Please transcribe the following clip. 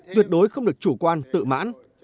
tuyệt đối không được chủ quan tự mãn